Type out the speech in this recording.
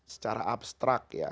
secara abstrak ya